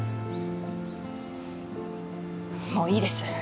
もういいです。